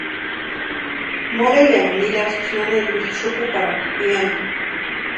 Morelianha niraspti nana Elvira xukuparhakwa piani.